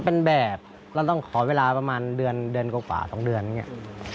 ถ้าเป็นแบบเราต้องขอเวลาประมาณเดือนกว่าขวา๒เดือนเนี่ย